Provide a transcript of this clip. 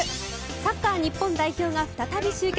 サッカー日本代表が再び集結。